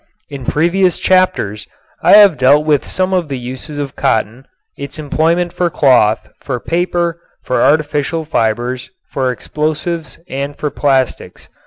In previous chapters I have dealt with some of the uses of cotton, its employment for cloth, for paper, for artificial fibers, for explosives, and for plastics.